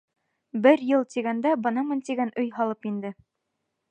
Бер йыл тигәндә бынамын тигән өй һалып инде.